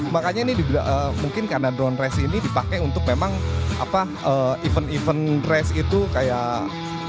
makanya ini mungkin karena drone race ini dipakai untuk memang event event race itu kayak